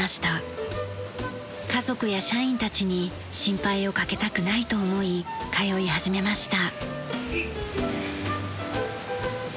家族や社員たちに心配をかけたくないと思い通い始めました。